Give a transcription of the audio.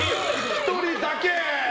１人だけ！